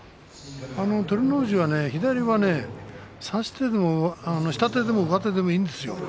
照ノ富士は左は下手でも上手でもいいんですよ。